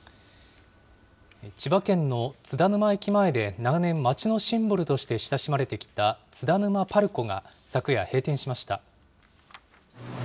千葉県の津田沼駅前で長年街のシンボルとして親しまれてきた津田沼パルコが昨夜、閉店しました。